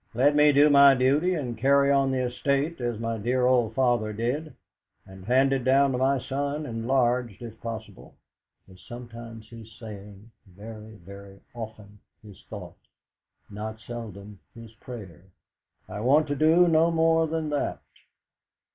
"Let me do my duty and carry on the estate as my dear old father did, and hand it down to my son enlarged if possible," was sometimes his saying, very, very often his thought, not seldom his prayer. "I want to do no more than that."